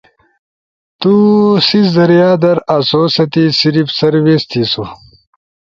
نو سیس ذریعہ در آسو ستی صرف سروس تھیسو۔